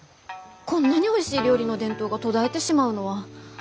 こんなにおいしい料理の伝統が途絶えてしまうのは。